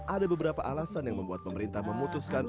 ada beberapa alasan yang membuat pemerintah memutuskan